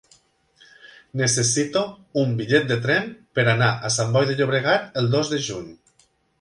Necessito un bitllet de tren per anar a Sant Boi de Llobregat el dos de juny.